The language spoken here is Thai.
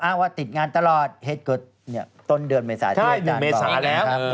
อ้างว่าติดงานตลอดเหตุกฤทธิ์ต้นเดือนเนษาที่โดยอาจารย์บอก